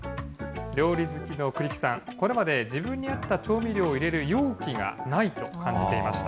料理好きの栗木さん、これまで自分に合った調味料を入れる容器がないと感じていました。